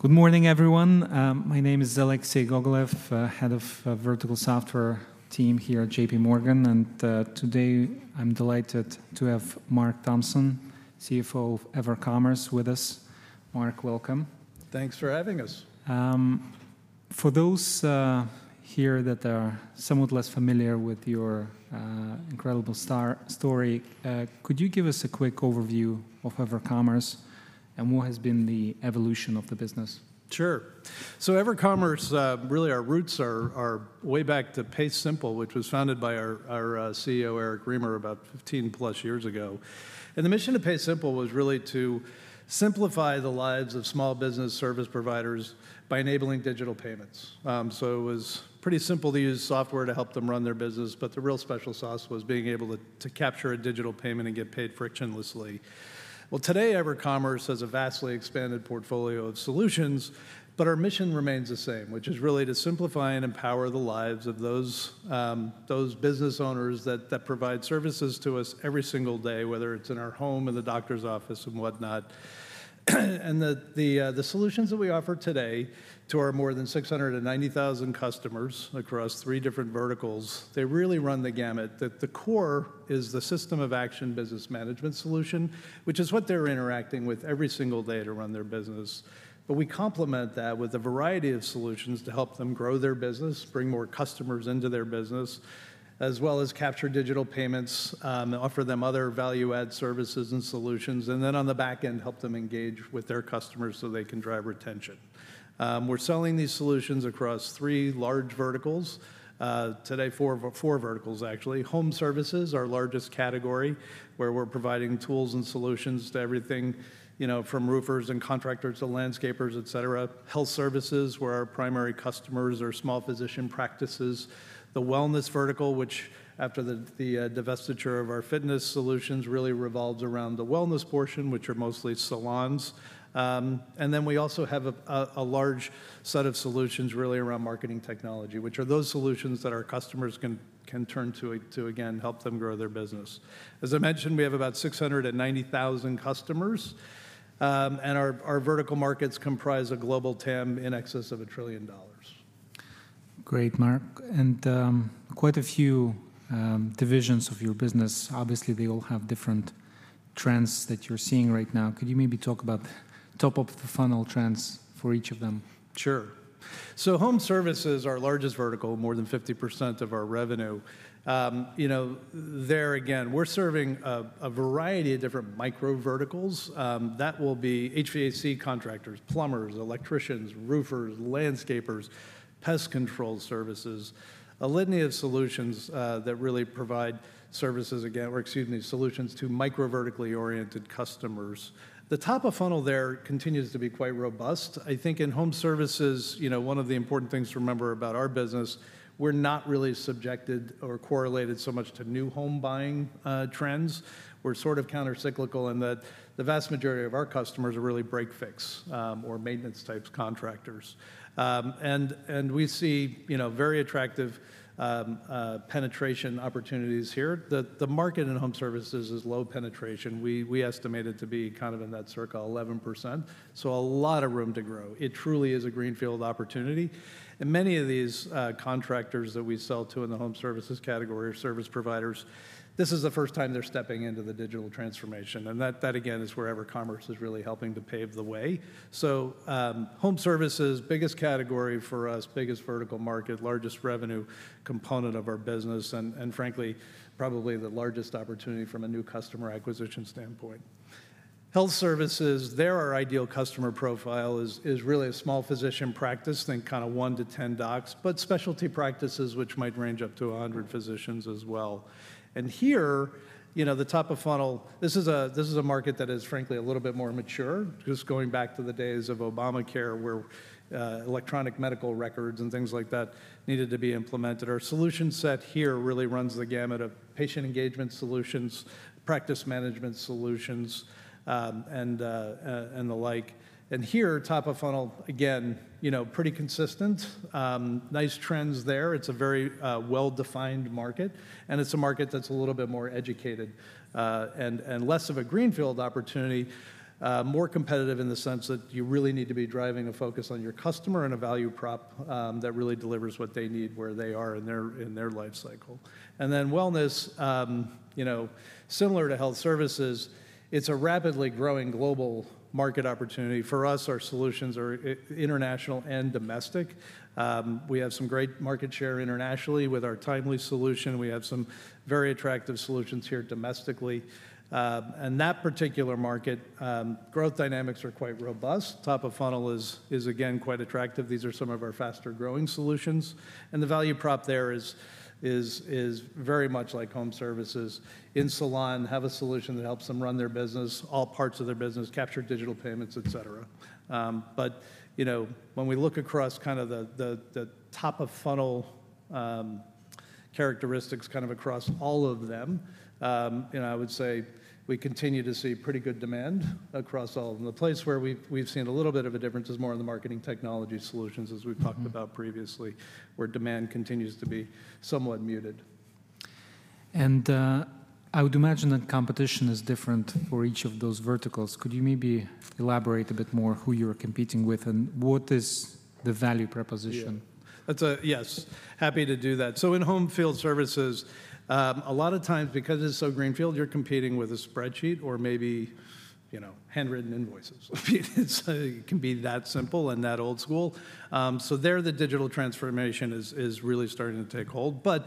Good morning, everyone. My name is Alexei Gogolev, head of Vertical Software team here at J.P. Morgan, and today I'm delighted to have Mark Thompson, CFO of EverCommerce, with us. Mark, welcome. Thanks for having us. For those here that are somewhat less familiar with your incredible success story, could you give us a quick overview of EverCommerce and what has been the evolution of the business? Sure. EverCommerce, really our roots are way back to PaySimple, which was founded by our CEO, Eric Remer, about 15+ years ago. The mission of PaySimple was really to simplify the lives of small business service providers by enabling digital payments. It was pretty simple to use software to help them run their business, but the real special sauce was being able to capture a digital payment and get paid frictionlessly. Well, today, EverCommerce has a vastly expanded portfolio of solutions, but our mission remains the same, which is really to simplify and empower the lives of those business owners that provide services to us every single day, whether it's in our home, in the doctor's office, and whatnot. And the solutions that we offer today to our more than 690,000 customers across three different verticals, they really run the gamut. That the core is the system of action business management solution, which is what they're interacting with every single day to run their business. But we complement that with a variety of solutions to help them grow their business, bring more customers into their business, as well as capture digital payments, offer them other value-add services and solutions, and then on the back end, help them engage with their customers so they can drive retention. We're selling these solutions across three large verticals today, four verticals, actually. Home services, our largest category, where we're providing tools and solutions to everything, you know, from roofers and contractors to landscapers, et cetera. Health services, where our primary customers are small physician practices. The wellness vertical, which after the divestiture of our fitness solutions, really revolves around the wellness portion, which are mostly salons. And then we also have a large set of solutions really around marketing technology, which are those solutions that our customers can turn to, to again, help them grow their business. As I mentioned, we have about 690,000 customers, and our vertical markets comprise a global TAM in excess of $1 trillion. Great, Mark, and quite a few divisions of your business, obviously, they all have different trends that you're seeing right now. Could you maybe talk about top-of-the-funnel trends for each of them? Sure. So home services, our largest vertical, more than 50% of our revenue. You know, there again, we're serving a variety of different micro verticals. That will be HVAC contractors, plumbers, electricians, roofers, landscapers, pest control services, a litany of solutions that really provide services again, or excuse me, solutions to micro vertically oriented customers. The top of funnel there continues to be quite robust. I think in home services, you know, one of the important things to remember about our business, we're not really subjected or correlated so much to new home buying trends. We're sort of countercyclical in that the vast majority of our customers are really break-fix, or maintenance-type contractors. And we see, you know, very attractive penetration opportunities here. The market in home services is low penetration. We estimate it to be kind of in that circle, 11%, so a lot of room to grow. It truly is a greenfield opportunity, and many of these contractors that we sell to in the home services category or service providers, this is the first time they're stepping into the digital transformation, and that, again, is where EverCommerce is really helping to pave the way. So, home services, biggest category for us, biggest vertical market, largest revenue component of our business, and frankly, probably the largest opportunity from a new customer acquisition standpoint. Health services, there our ideal customer profile is really a small physician practice, think kinda 1-10 docs, but specialty practices, which might range up to 100 physicians as well. Here, you know, the top of funnel, this is a market that is frankly a little bit more mature, just going back to the days of Obamacare, where electronic medical records and things like that needed to be implemented. Our solution set here really runs the gamut of patient engagement solutions, practice management solutions, and the like. Here, top of funnel, again, you know, pretty consistent, nice trends there. It's a very well-defined market, and it's a market that's a little bit more educated, and less of a greenfield opportunity, more competitive in the sense that you really need to be driving a focus on your customer and a value prop that really delivers what they need, where they are in their life cycle. And then wellness, you know, similar to health services, it's a rapidly growing global market opportunity. For us, our solutions are international and domestic. We have some great market share internationally with our Timely solution. We have some very attractive solutions here domestically. And that particular market, growth dynamics are quite robust. Top of funnel is again quite attractive. These are some of our faster-growing solutions, and the value prop there is very much like home services. In salon, have a solution that helps them run their business, all parts of their business, capture digital payments, et cetera. But, you know, when we look across kind of the top of funnel characteristics, kind of across all of them, you know, I would say we continue to see pretty good demand across all of them. The place where we've seen a little bit of a difference is more in the marketing technology solutions, as we've talked about previously- Mm-hmm... where demand continues to be somewhat muted.... And, I would imagine that competition is different for each of those verticals. Could you maybe elaborate a bit more who you're competing with, and what is the value proposition? Yeah. That's yes, happy to do that. So, in home and field services, a lot of times, because it's so greenfield, you're competing with a spreadsheet or maybe, you know, handwritten invoices. It's it can be that simple and that old school. So there, the digital transformation is really starting to take hold. But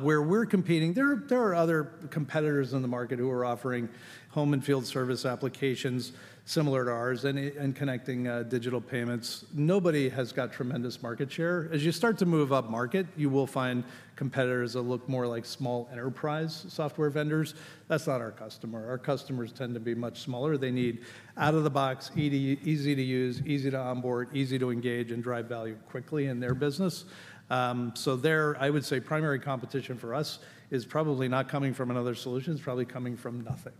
where we're competing, there are other competitors in the market who are offering home and field service applications similar to ours and connecting digital payments. Nobody has got tremendous market share. As you start to move up market, you will find competitors that look more like small enterprise software vendors. That's not our customer. Our customers tend to be much smaller. They need out-of-the-box, easy, easy to use, easy to onboard, easy to engage and drive value quickly in their business. So there, I would say primary competition for us is probably not coming from another solution, it's probably coming from nothing.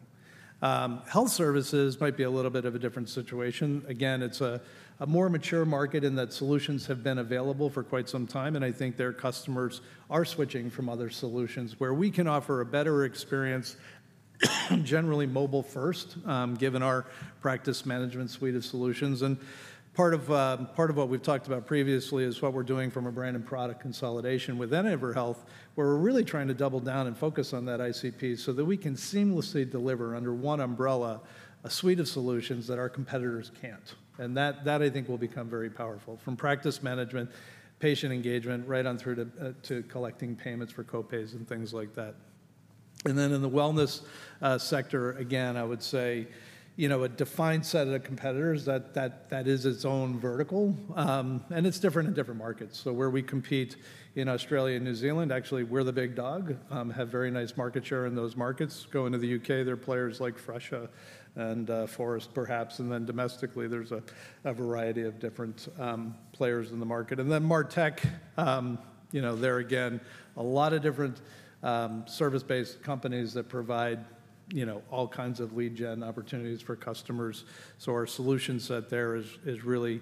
Health services might be a little bit of a different situation. Again, it's a more mature market in that solutions have been available for quite some time, and I think their customers are switching from other solutions, where we can offer a better experience, generally mobile first, given our practice management suite of solutions. And part of what we've talked about previously is what we're doing from a brand and product consolidation. With EverHealth, where we're really trying to double down and focus on that ICP so that we can seamlessly deliver under one umbrella, a suite of solutions that our competitors can't. That I think will become very powerful, from practice management, patient engagement, right on through to collecting payments for co-pays and things like that. Then in the wellness sector, again, I would say, you know, a defined set of competitors that is its own vertical. It's different in different markets. So where we compete in Australia and New Zealand, actually, we're the big dog. Have very nice market share in those markets. Go into the UK, there are players like Fresha and Phorest perhaps, and then domestically, there's a variety of different players in the market. Then MarTech, you know, there again, a lot of different service-based companies that provide, you know, all kinds of lead gen opportunities for customers. So our solution set there is really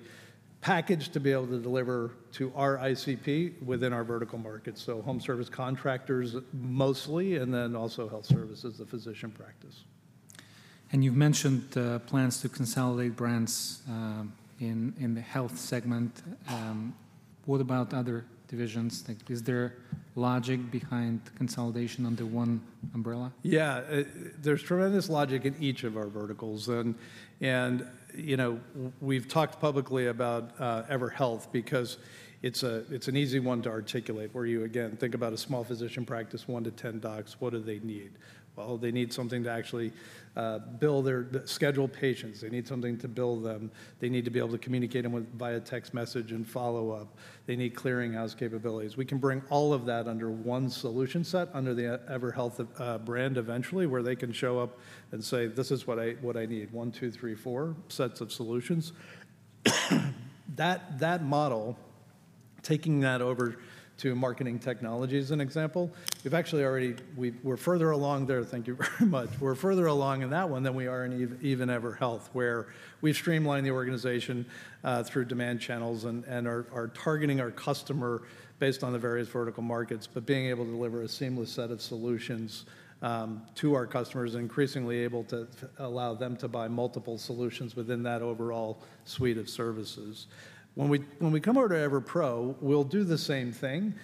packaged to be able to deliver to our ICP within our vertical markets. So home service contractors mostly, and then also health services, the physician practice. You've mentioned plans to consolidate brands in the health segment. What about other divisions? Like, is there logic behind consolidation under one umbrella? Yeah, there's tremendous logic in each of our verticals. And, you know, we've talked publicly about EverHealth because it's an easy one to articulate, where you, again, think about a small physician practice, 1-10 docs, what do they need? Well, they need something to actually bill their schedule patients. They need something to bill them. They need to be able to communicate them with via text message and follow up. They need clearinghouse capabilities. We can bring all of that under one solution set, under the EverHealth brand eventually, where they can show up and say, "This is what I need, 1, 2, 3, 4 sets of solutions." That model, taking that over to marketing technology as an example, we've actually already we're further along there. Thank you very much. We're further along in that one than we are in even EverHealth, where we've streamlined the organization through demand channels and are targeting our customer based on the various vertical markets, but being able to deliver a seamless set of solutions to our customers, and increasingly able to allow them to buy multiple solutions within that overall suite of services. When we come over to EverPro, we'll do the same thing.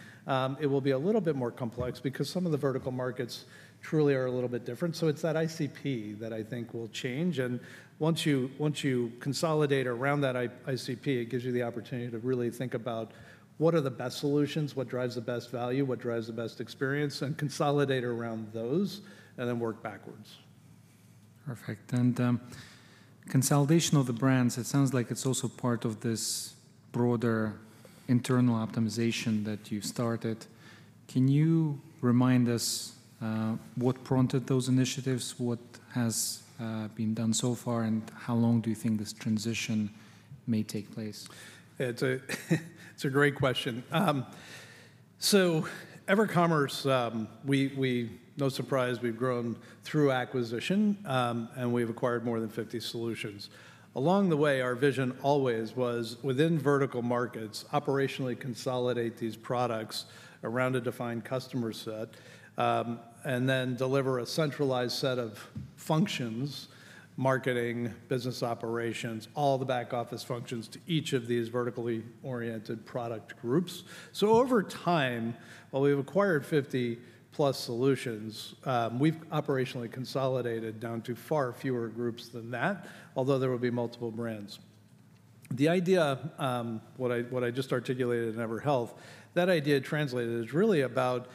It will be a little bit more complex because some of the vertical markets truly are a little bit different. So it's that ICP that I think will change, and once you consolidate around that ICP, it gives you the opportunity to really think about: What are the best solutions? What drives the best value? What drives the best experience? And consolidate around those, and then work backwards. Perfect. And, consolidation of the brands, it sounds like it's also part of this broader internal optimization that you've started. Can you remind us, what prompted those initiatives? What has, been done so far, and how long do you think this transition may take place? It's a great question. So EverCommerce, no surprise, we've grown through acquisition, and we've acquired more than 50 solutions. Along the way, our vision always was, within vertical markets, operationally consolidate these products around a defined customer set, and then deliver a centralized set of functions, marketing, business operations, all the back-office functions, to each of these vertically oriented product groups. So over time, while we've acquired 50+ solutions, we've operationally consolidated down to far fewer groups than that, although there will be multiple brands. The idea, what I just articulated in EverHealth, that idea translated is really about,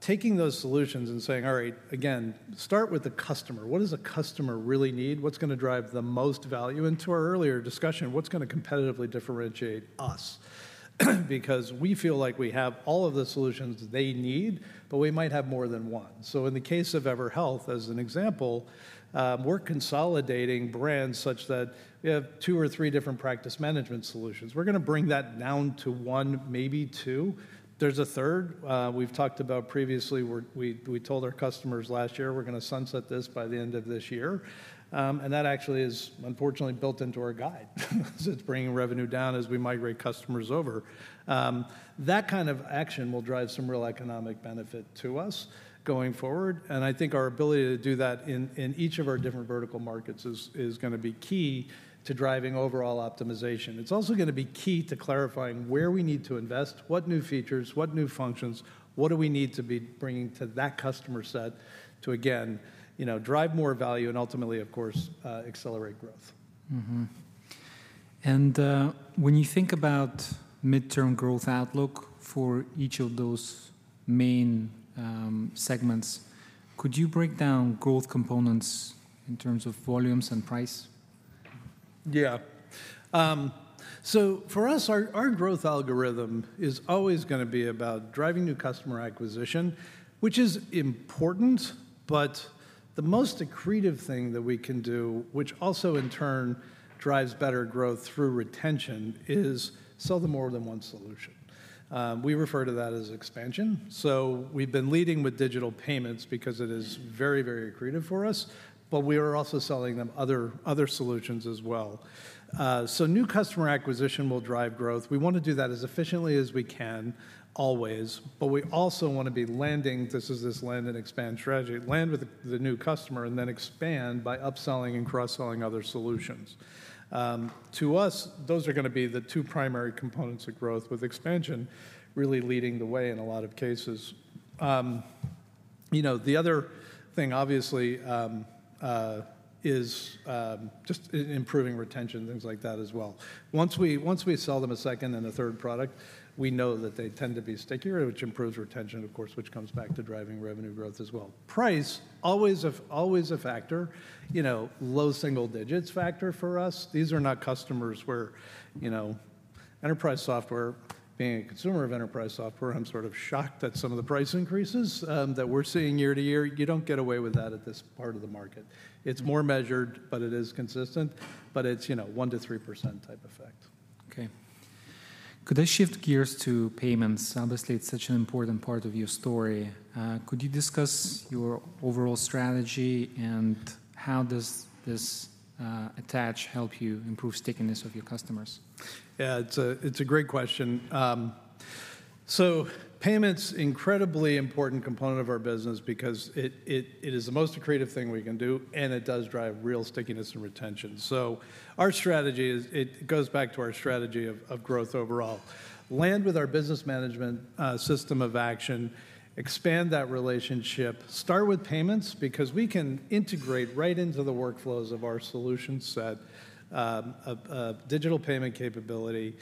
taking those solutions and saying, "All right," again, "start with the customer. What does a customer really need? What's gonna drive the most value?" And to our earlier discussion, "What's gonna competitively differentiate us?"... Because we feel like we have all of the solutions they need, but we might have more than one. So in the case of EverHealth, as an example, we're consolidating brands such that we have two or three different practice management solutions. We're gonna bring that down to one, maybe two. There's a third, we've talked about previously, where we told our customers last year, we're gonna sunset this by the end of this year. And that actually is unfortunately built into our guide, so it's bringing revenue down as we migrate customers over. That kind of action will drive some real economic benefit to us going forward, and I think our ability to do that in each of our different vertical markets is gonna be key to driving overall optimization. It's also gonna be key to clarifying where we need to invest, what new features, what new functions, what do we need to be bringing to that customer set to, again, you know, drive more value and ultimately, of course, accelerate growth. Mm-hmm. And when you think about midterm growth outlook for each of those main segments, could you break down growth components in terms of volumes and price? Yeah. So for us, our growth algorithm is always gonna be about driving new customer acquisition, which is important, but the most accretive thing that we can do, which also in turn drives better growth through retention, is sell them more than one solution. We refer to that as expansion. So, we've been leading with digital payments because it is very, very accretive for us, but we are also selling them other solutions as well. So new customer acquisition will drive growth. We want to do that as efficiently as we can, always, but we also wanna be landing. This is the land and expand strategy. Land with the new customer, and then expand by upselling and cross-selling other solutions. To us, those are gonna be the two primary components of growth, with expansion really leading the way in a lot of cases. You know, the other thing, obviously, is just improving retention, things like that as well. Once we, once we sell them a second and a third product, we know that they tend to be stickier, which improves retention, of course, which comes back to driving revenue growth as well. Price, always a factor, you know, low single digits factor for us. These are not customers where, you know... Enterprise software, being a consumer of enterprise software, I'm sort of shocked at some of the price increases that we're seeing year to year. You don't get away with that at this part of the market. It's more measured, but it is consistent, but it's, you know, 1%-3% type effect. Okay. Could I shift gears to payments? Obviously, it's such an important part of your story. Could you discuss your overall strategy, and how does this ACH help you improve stickiness of your customers? Yeah, it's a great question. So payments, incredibly important component of our business because it is the most accretive thing we can do, and it does drive real stickiness and retention. So our strategy is, it goes back to our strategy of growth overall. Land with our business management system of action, expand that relationship, start with payments, because we can integrate right into the workflows of our solution set, a digital payment capability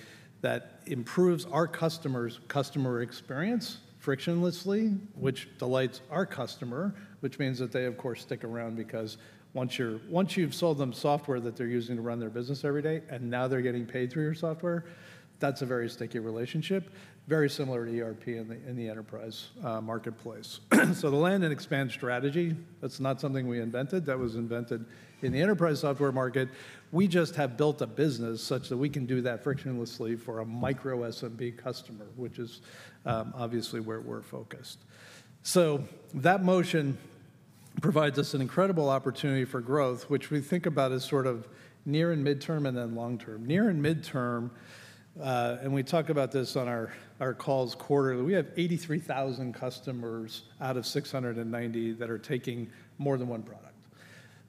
that improves our customer's customer experience frictionlessly, which delights our customer, which means that they, of course, stick around because once you've sold them software that they're using to run their business every day, and now they're getting paid through your software, that's a very sticky relationship, very similar to ERP in the enterprise marketplace. So the land and expand strategy, that's not something we invented. That was invented in the enterprise software market. We just have built a business such that we can do that frictionlessly for a micro SMB customer, which is, obviously where we're focused. So, that motion provides us an incredible opportunity for growth, which we think about as sort of near and midterm, and then long-term. Near and midterm, and we talk about this on our, our calls quarterly, we have 83,000 customers out of 690 that are taking more than one product.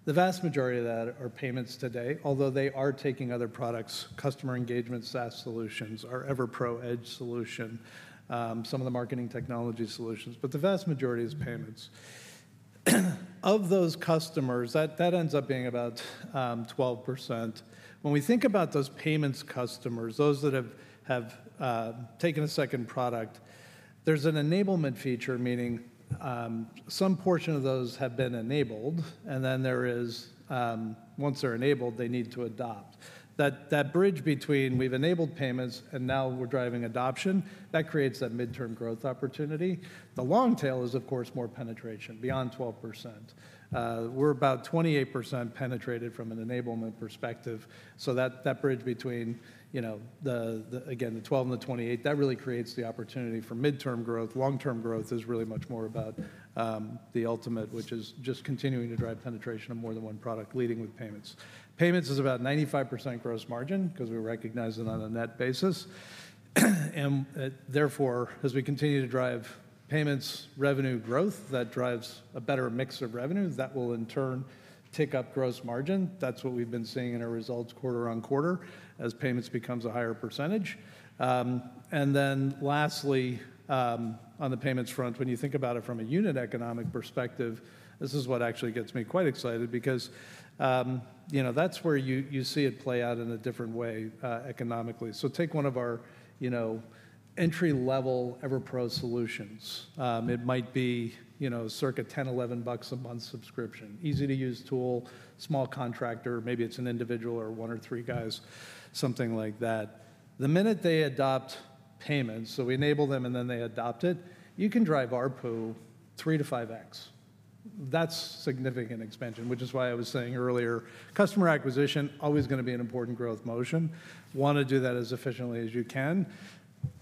The vast majority of that are payments today, although they are taking other products, customer engagement, SaaS solutions, our EverPro Edge solution, some of the marketing technology solutions, but the vast majority is payments. Of those customers, that ends up being about 12%. When we think about those payments customers, those that have taken a second product, there's an enablement feature, meaning, some portion of those have been enabled, and then there is... Once they're enabled, they need to adopt. That bridge between we've enabled payments, and now we're driving adoption, that creates that midterm growth opportunity. The long tail is, of course, more penetration, beyond 12%. We're about 28% penetrated from an enablement perspective, so that bridge between, you know, the, the, again, the 12 and the 28, that really creates the opportunity for midterm growth. Long-term growth is really much more about, the ultimate, which is just continuing to drive penetration of more than one product, leading with payments. Payments is about 95% gross margin because we recognize it on a net basis. Therefore, as we continue to drive payments revenue growth, that drives a better mix of revenue, that will in turn tick up gross margin. That's what we've been seeing in our results quarter on quarter as payments becomes a higher percentage. And then lastly, on the payments front, when you think about it from a unit economic perspective, this is what actually gets me quite excited because, you know, that's where you, you see it play out in a different way, economically. So take one of our entry-level EverPro solutions, it might be circa $10-$11 a month subscription. Easy-to-use tool, small contractor, maybe it's an individual or 1 or 3 guys, something like that. The minute they adopt payments, so we enable them, and then they adopt it, you can drive ARPU 3-5x. That's significant expansion, which is why I was saying earlier. Customer acquisition always gonna be an important growth motion. Wanna do that as efficiently as you can.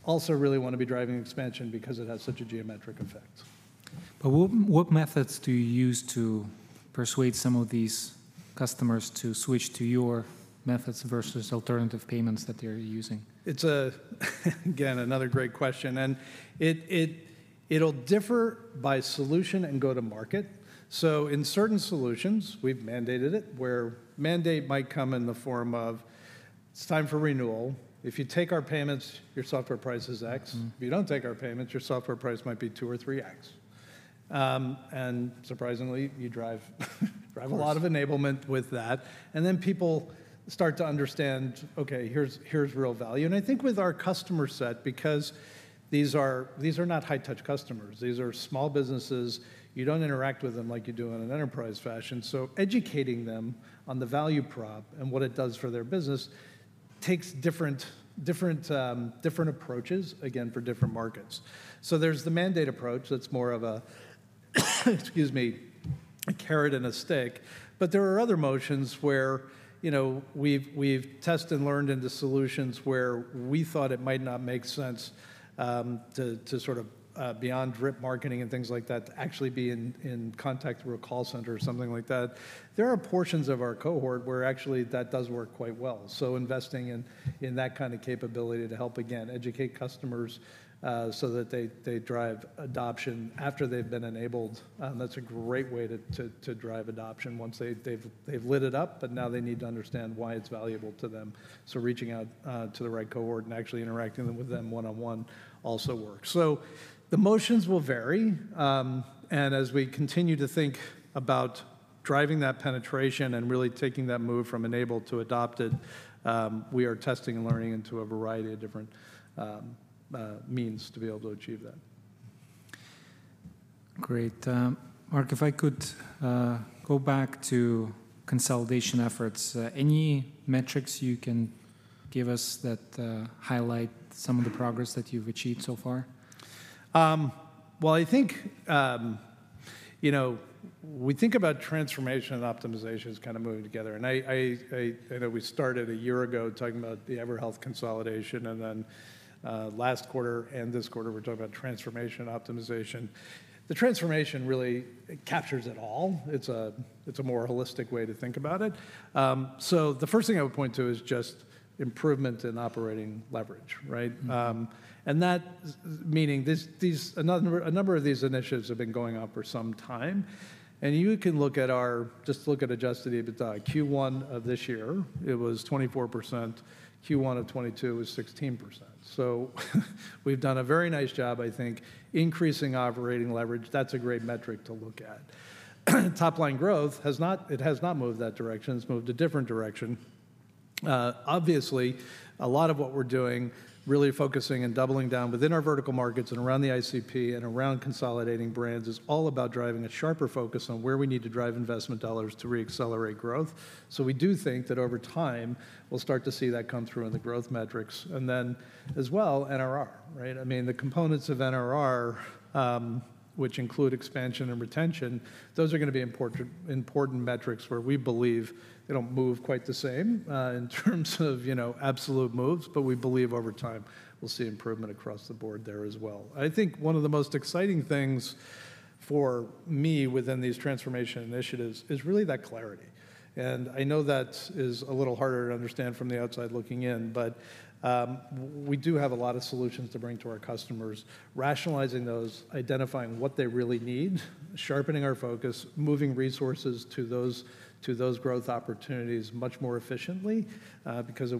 Also, really wanna be driving expansion because it has such a geometric effect. But what, what methods do you use to persuade some of these customers to switch to your methods versus alternative payments that they're using? It's again another great question, and it'll differ by solution and go-to-market. So, in certain solutions, we've mandated it, where mandate might come in the form of, "It's time for renewal. If you take our payments, your software price is X. Mm. If you don't take our payments, your software price might be 2 or 3x." Surprisingly, you drive Of course... a lot of enablement with that, and then people start to understand, "Okay, here's, here's real value." And I think with our customer set, because these are, these are not high-touch customers. These are small businesses. You don't interact with them like you do in an enterprise fashion. So, educating them on the value prop and what it does for their business, takes different, different, different approaches, again, for different markets. So there's the mandate approach, that's more of a, excuse me, a carrot and a stick. But there are other motions where, you know, we've, we've tested and learned into solutions where we thought it might not make sense, to, to sort of, beyond drip marketing and things like that, to actually be in, in contact through a call center or something like that. There are portions of our cohort where actually that does work quite well. So investing in that kind of capability to help, again, educate customers, so that they drive adoption after they've been enabled, that's a great way to drive adoption once they've lit it up, but now they need to understand why it's valuable to them. So reaching out to the right cohort and actually interacting with them one-on-one also works. So, the motions will vary, and as we continue to think about driving that penetration and really taking that move from enabled to adopted, we are testing and learning into a variety of different means to be able to achieve that. Great. Mark, if I could, go back to consolidation efforts, any metrics you can give us that highlight some of the progress that you've achieved so far? Well, I think, you know, we think about transformation and optimization as kind of moving together, and I know we started a year ago talking about the EverHealth consolidation, and then, last quarter and this quarter, we're talking about transformation optimization. The transformation really captures it all. It's a more holistic way to think about it. So the first thing I would point to is just improvement in operating leverage, right? Mm. Meaning, these, a number of these initiatives have been going on for some time, and you can look at our, just look at Adjusted EBITDA. Q1 of this year, it was 24%; Q1 of 2022, it was 16%. So, we've done a very nice job, I think, increasing operating leverage. That's a great metric to look at. Top-line growth has not, it has not moved that direction. It's moved a different direction. Obviously, a lot of what we're doing, really focusing and doubling down within our vertical markets and around the ICP and around consolidating brands, is all about driving a sharper focus on where we need to drive investment dollars to re-accelerate growth. So we do think that over time, we'll start to see that come through in the growth metrics. And then as well, NRR, right? I mean, the components of NRR, which include expansion and retention, those are gonna be important, important metrics where we believe they don't move quite the same, in terms of, you know, absolute moves. But we believe over time, we'll see improvement across the board there as well. I think one of the most exciting things for me within these transformation initiatives is really that clarity, and I know that is a little harder to understand from the outside looking in, but, we do have a lot of solutions to bring to our customers, rationalizing those, identifying what they really need, sharpening our focus, moving resources to those, to those growth opportunities much more efficiently, because there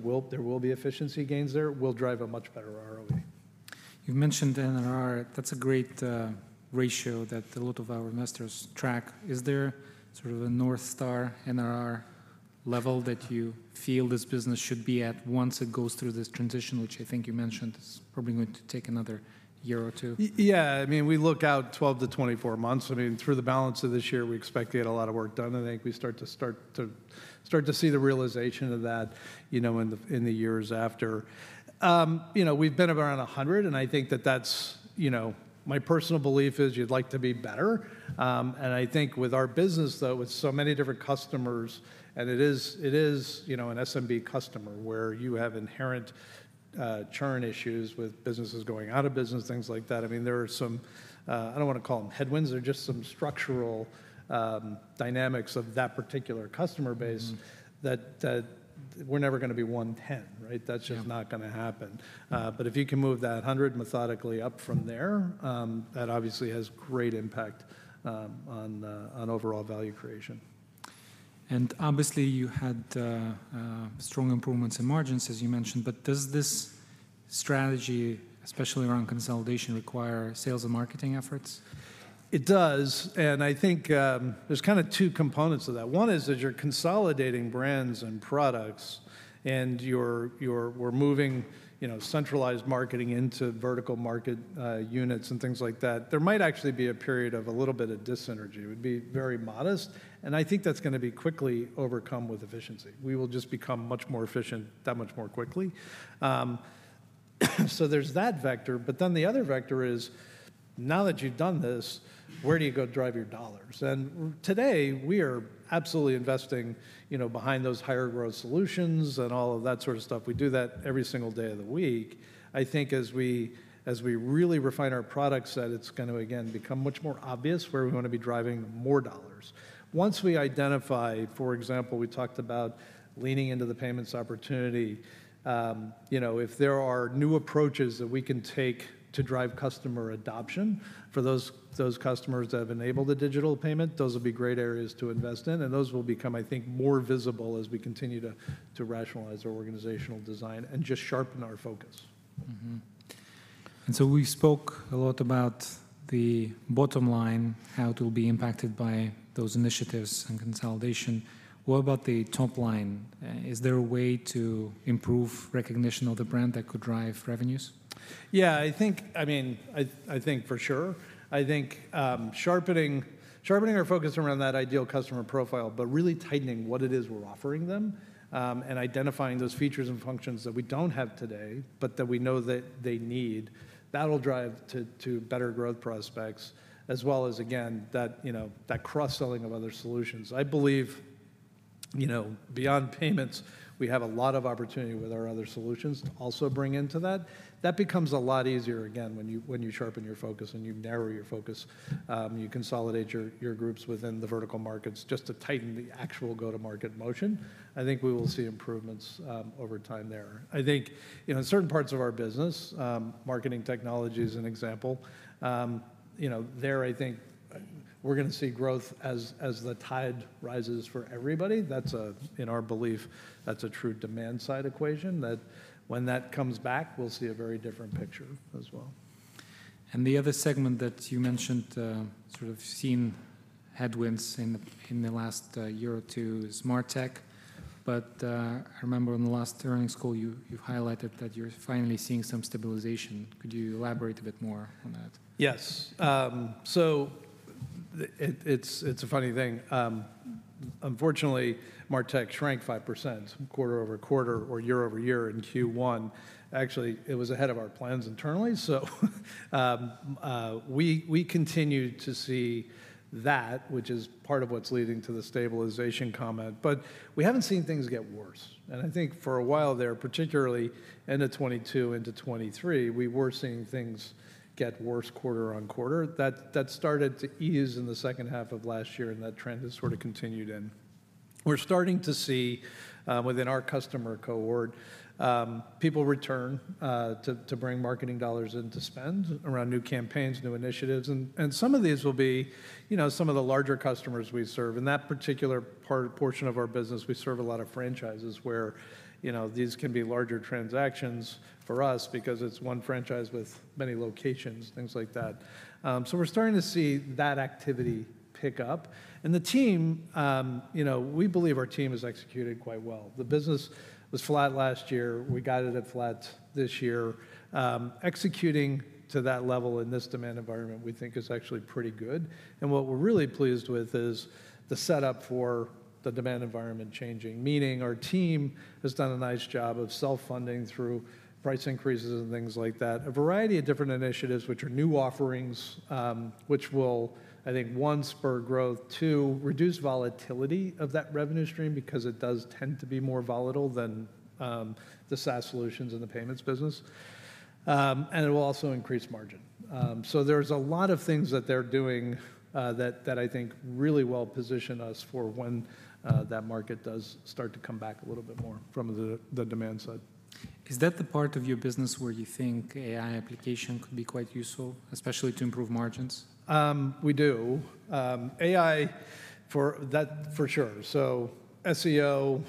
will be efficiency gains there, will drive a much better ROE. You've mentioned NRR. That's a great, ratio that a lot of our investors track. Is there sort of a north star NRR level that you feel this business should be at once it goes through this transition, which I think you mentioned is probably going to take another year or two? Yeah. I mean, we look out 12-24 months. I mean, through the balance of this year, we expect to get a lot of work done, and I think we start to see the realization of that, you know, in the years after. You know, we've been around 100, and I think that's, you know... My personal belief is you'd like to be better. And I think with our business, though, with so many different customers, and it is, you know, an SMB customer, where you have inherent churn issues with businesses going out of business, things like that. I mean, there are some, I don't wanna call them headwinds, there are just some structural dynamics of that particular customer base- Mm... that we're never gonna be 110, right? Yeah. That's just not gonna happen. But if you can move that 100 methodically up from there, that obviously has great impact on overall value creation. Obviously, you had strong improvements in margins, as you mentioned, but does this strategy, especially around consolidation, require sales and marketing efforts? It does, and I think, there's kind of two components to that. One is that you're consolidating brands and products and we're moving, you know, centralized marketing into vertical market units and things like that, there might actually be a period of a little bit of dis-synergy. It would be very modest, and I think that's gonna be quickly overcome with efficiency. We will just become much more efficient that much more quickly. So there's that vector, but then the other vector is, now that you've done this, where do you go drive your dollars? And today, we are absolutely investing, you know, behind those higher growth solutions and all of that sort of stuff. We do that every single day of the week. I think as we really refine our product set, it's going to, again, become much more obvious where we're going to be driving more dollars. Once we identify... For example, we talked about leaning into the payments opportunity. You know, if there are new approaches that we can take to drive customer adoption for those customers that have enabled the digital payment, those will be great areas to invest in, and those will become, I think, more visible as we continue to rationalize our organizational design and just sharpen our focus. Mm-hmm. And so we spoke a lot about the bottom line, how it will be impacted by those initiatives and consolidation. What about the top line? Is there a way to improve recognition of the brand that could drive revenues? Yeah, I think, I mean, I think for sure. I think, sharpening our focus around that ideal customer profile, but really tightening what it is we're offering them, and identifying those features and functions that we don't have today, but that we know that they need, that'll drive to better growth prospects, as well as, again, that, you know, that cross-selling of other solutions. I believe, you know, beyond payments, we have a lot of opportunity with our other solutions to also bring into that. That becomes a lot easier, again, when you, when you sharpen your focus and you narrow your focus, you consolidate your groups within the vertical markets just to tighten the actual go-to-market motion. I think we will see improvements over time there. I think, you know, in certain parts of our business, marketing technology is an example. You know, there, I think, we're gonna see growth as the tide rises for everybody. In our belief, that's a true demand side equation, that when that comes back, we'll see a very different picture as well. The other segment that you mentioned, sort of seen headwinds in the last year or two is MarTech. But, I remember in the last earnings call, you highlighted that you're finally seeing some stabilization. Could you elaborate a bit more on that? Yes. So, it's a funny thing. Unfortunately, MarTech shrank 5% quarter-over-quarter or year-over-year in Q1. Actually, it was ahead of our plans internally, so we continue to see that, which is part of what's leading to the stabilization comment. But we haven't seen things get worse, and I think for a while there, particularly end of 2022 into 2023, we were seeing things get worse quarter-over-quarter. That started to ease in the second half of last year, and that trend has sort of continued, and we're starting to see within our customer cohort, people return to bring marketing dollars in to spend around new campaigns, new initiatives. And some of these will be, you know, some of the larger customers we serve. In that particular portion of our business, we serve a lot of franchises where, you know, these can be larger transactions for us because it's one franchise with many locations, things like that. So we're starting to see that activity pick up. And the team, you know, we believe our team has executed quite well. The business was flat last year. We got it at flat this year. Executing to that level in this demand environment, we think is actually pretty good. And what we're really pleased with is the setup for the demand environment changing, meaning our team has done a nice job of self-funding through price increases and things like that. A variety of different initiatives, which are new offerings, which will, I think, one, spur growth, two, reduce volatility of that revenue stream because it does tend to be more volatile than the SaaS solutions in the payments business. And it will also increase margin. So there's a lot of things that they're doing, that I think really well position us for when that market does start to come back a little bit more from the demand side. Is that the part of your business where you think AI application could be quite useful, especially to improve margins? We do. AI for that, for sure. So SEO,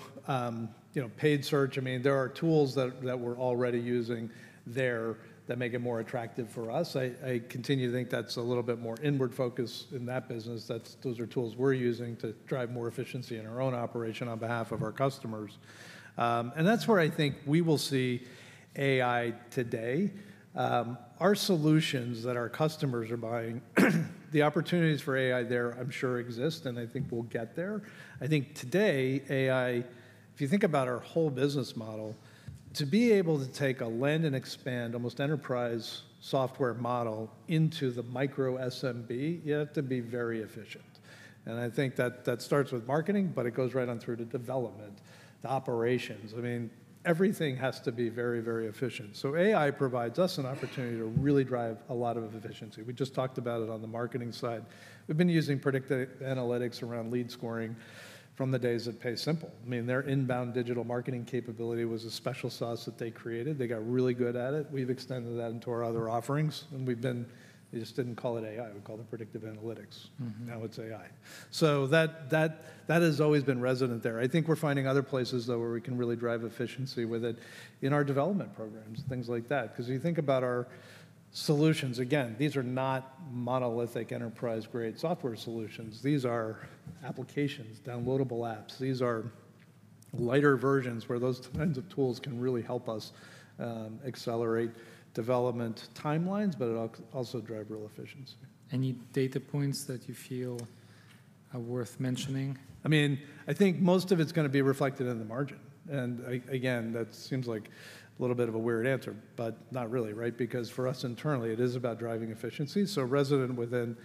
you know, paid search, I mean, there are tools that we're already using there that make it more attractive for us. I continue to think that's a little bit more inward focus in that business. Those are tools we're using to drive more efficiency in our own operation on behalf of our customers. And that's where I think we will see AI today. Our solutions that our customers are buying, the opportunities for AI there, I'm sure, exist, and I think we'll get there. I think today, AI, if you think about our whole business model, to be able to take a land and expand, almost enterprise software model into the micro SMB, you have to be very efficient. And I think that starts with marketing, but it goes right on through to development, to operations. I mean, everything has to be very, very efficient. So AI provides us an opportunity to really drive a lot of efficiency. We just talked about it on the marketing side. We've been using predictive analytics around lead scoring from the days of PaySimple. I mean, their inbound digital marketing capability was a special sauce that they created. They got really good at it. We've extended that into our other offerings, and we've been. We just didn't call it AI. We called it predictive analytics. Mm-hmm. Now it's AI. So, that has always been resident there. I think we're finding other places, though, where we can really drive efficiency with it in our development programs, things like that. Because if you think about our solutions, again, these are not monolithic enterprise-grade software solutions. These are applications, downloadable apps. These are lighter versions where those kinds of tools can really help us accelerate development timelines, but it also drives real efficiency. Any data points that you feel are worth mentioning? I mean, I think most of it's gonna be reflected in the margin. And again, that seems like a little bit of a weird answer, but not really, right? Because for us internally, it is about driving efficiency. So resident within,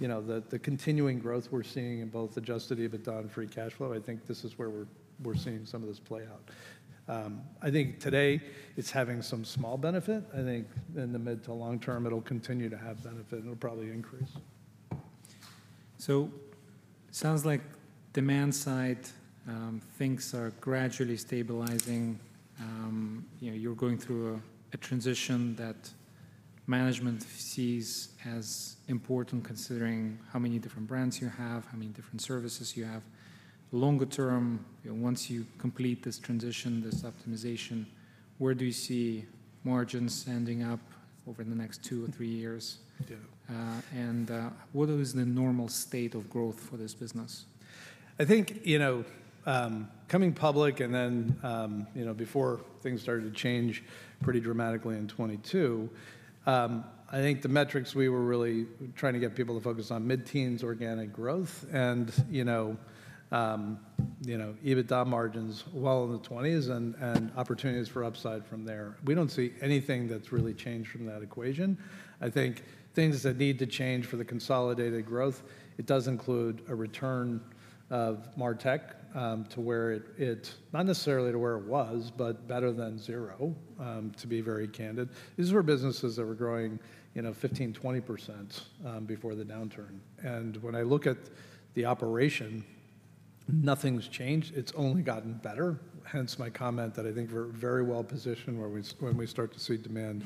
you know, the continuing growth we're seeing in both Adjusted EBITDA and free cash flow, I think this is where we're seeing some of this play out. I think today it's having some small benefit. I think in the mid to long term it'll continue to have benefit, and it'll probably increase. So sounds like demand side, things are gradually stabilizing. You know, you're going through a transition that management sees as important, considering how many different brands you have, how many different services you have. Longer term, you know, once you complete this transition, this optimization, where do you see margins ending up over the next two or three years? Yeah. What is the normal state of growth for this business? I think, you know, coming public and then, you know, before things started to change pretty dramatically in 2022, I think the metrics we were really trying to get people to focus on mid-teens organic growth and, you know, you know, EBITDA margins well in the 20s and, and opportunities for upside from there. We don't see anything that's really changed from that equation. I think things that need to change for the consolidated growth, it does include a return of MarTech, to where it, it—not necessarily to where it was, but better than zero, to be very candid. These were businesses that were growing, you know, 15, 20%, before the downturn. And when I look at the operation, nothing's changed. It's only gotten better, hence my comment that I think we're very well positioned when we start to see demand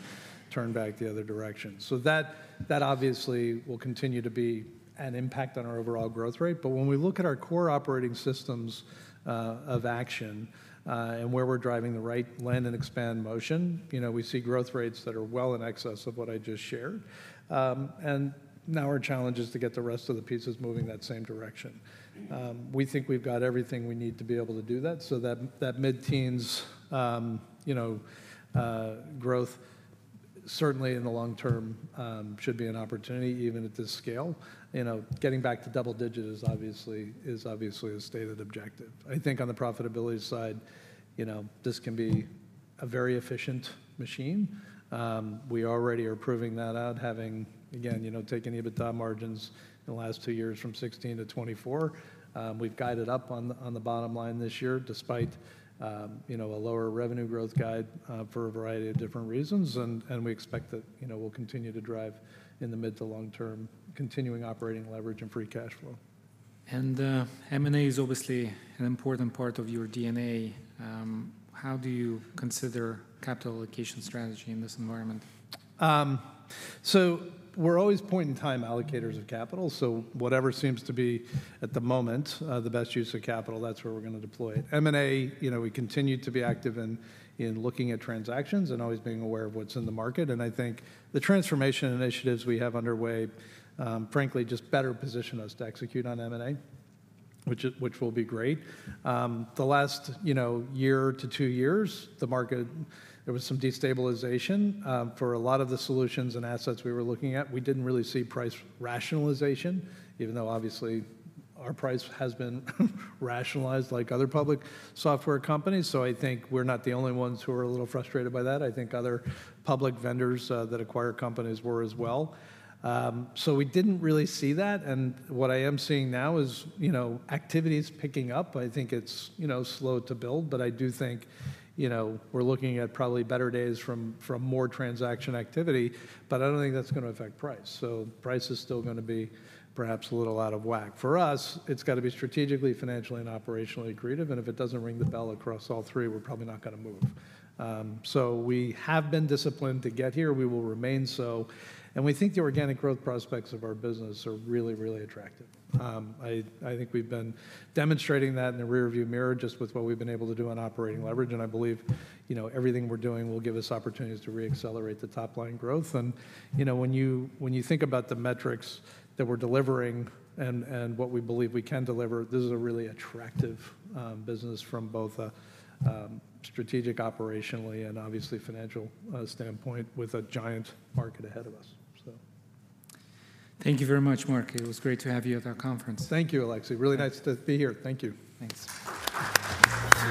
turn back the other direction. So that obviously will continue to be an impact on our overall growth rate. But when we look at our core operating systems of action and where we're driving the right land and expand motion, you know, we see growth rates that are well in excess of what I just shared. And now our challenge is to get the rest of the pieces moving that same direction. We think we've got everything we need to be able to do that, so that mid-teens, you know, growth certainly in the long term should be an opportunity, even at this scale. You know, getting back to double digit is obviously a stated objective. I think on the profitability side, you know, this can be a very efficient machine. We already are proving that out, having, again, you know, taken EBITDA margins in the last two years from 16%-24%. We've guided up on the bottom line this year, despite, you know, a lower revenue growth guide, for a variety of different reasons. And we expect that, you know, we'll continue to drive in the mid to long term, continuing operating leverage and free cash flow. M&A is obviously an important part of your DNA. How do you consider capital allocation strategy in this environment? So we're always point-in-time allocators of capital, so whatever seems to be, at the moment, the best use of capital, that's where we're gonna deploy it. M&A, you know, we continue to be active in, in looking at transactions and always being aware of what's in the market. And I think the transformation initiatives we have underway, frankly, just better position us to execute on M&A, which will be great. The last, you know, year to two years, the market, there was some destabilization. For a lot of the solutions and assets we were looking at, we didn't really see price rationalization, even though obviously our price has been rationalized like other public software companies. So I think we're not the only ones who are a little frustrated by that. I think other public vendors that acquire companies were as well. So we didn't really see that, and what I am seeing now is, you know, activity is picking up. I think it's, you know, slow to build, but I do think, you know, we're looking at probably better days from more transaction activity, but I don't think that's gonna affect price. So price is still gonna be perhaps a little out of whack. For us, it's got to be strategically, financially, and operationally creative, and if it doesn't ring the bell across all three, we're probably not gonna move. So we have been disciplined to get here. We will remain so, and we think the organic growth prospects of our business are really, really attractive. I think we've been demonstrating that in the rearview mirror just with what we've been able to do on operating leverage, and I believe, you know, everything we're doing will give us opportunities to re-accelerate the top-line growth. You know, when you think about the metrics that we're delivering and what we believe we can deliver, this is a really attractive business from both a strategic, operationally, and obviously financial standpoint, with a giant market ahead of us, so... Thank you very much, Mark. It was great to have you at our conference. Thank you, Alexei. Really nice to be here. Thank you. Thanks.